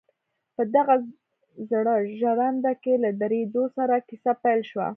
په دغه زړه ژرنده کې له درېدو سره کيسه پيل شوه.